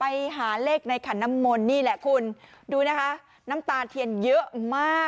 ไปหาเลขในขันน้ำมนต์นี่แหละคุณดูนะคะน้ำตาเทียนเยอะมาก